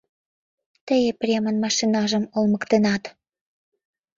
Тый Епремын машиныжым олмыктенат.